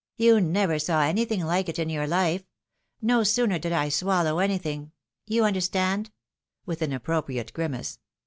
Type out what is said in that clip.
" You never saw anything like it in your life. No sooner did I swallow anything — ^you understand ?" (with an appropriate grimace.)